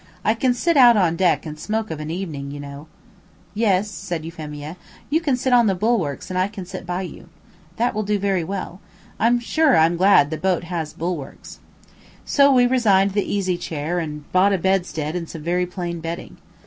I can sit out on deck and smoke of an evening, you know." "Yes," said Euphemia. "You can sit on the bulwarks and I can sit by you. That will do very well. I'm sure I'm glad the boat has bulwarks." So we resigned the easy chair and bought a bedstead and some very plain bedding.